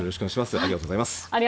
ありがとうございます。